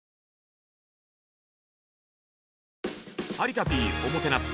「有田Ｐおもてなす」。